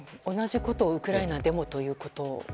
同じことをウクライナでもということ？